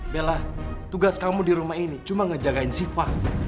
bella tugas kamu di rumah ini cuma ngejagain siva